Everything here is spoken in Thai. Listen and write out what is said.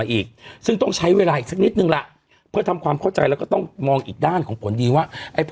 อืมอืมอืมอืมอืมอืมอืมอืมอืมอืมอืม